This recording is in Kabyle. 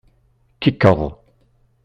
Kikeḍ.